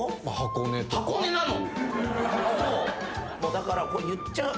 だから言っちゃう。